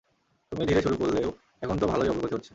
তুমি ধীরে শুরু করলেও, এখন তো ভালোই অগ্রগতি হচ্ছে।